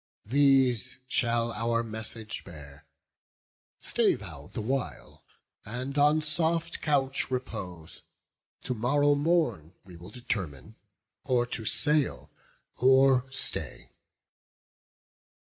These shall our message bear; stay thou the while, And on soft couch repose; to morrow morn Will we determine or to sail or stay."